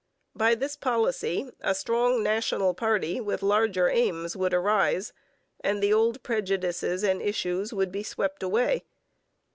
By this policy a strong national party, with larger aims, would arise, and the old prejudices and issues would be swept away.